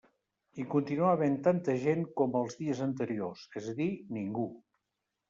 Hi continua havent tanta gent com els dies anteriors, és a dir ningú.